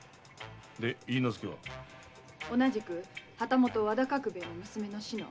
同じく旗本・和田覚兵衛の娘「しの」。